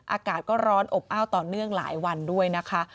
อากาศก็ร้อนอบอ้าวต่อเนื่องหลายวันด้วยนะคะ